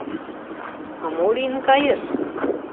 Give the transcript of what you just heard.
— А мо лийын кайыш?